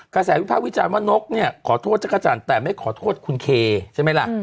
กระแสวิภาควิจารณ์ว่านกเนี่ยขอโทษจักรจันทร์แต่ไม่ขอโทษคุณเคใช่ไหมล่ะ